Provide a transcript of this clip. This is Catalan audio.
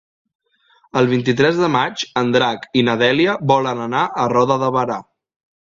El vint-i-tres de maig en Drac i na Dèlia volen anar a Roda de Berà.